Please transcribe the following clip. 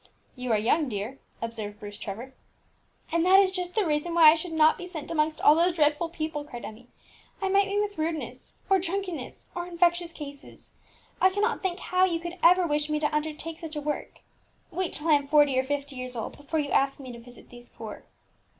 "You are young, dear," observed Bruce Trevor. "And that is just the reason why I should not be sent amongst all those dreadful people!" cried Emmie. "I might meet with rudeness, or drunkenness, or infectious cases. I cannot think how you could ever wish me to undertake such a work! Wait till I am forty or fifty years old before you ask me to visit these poor."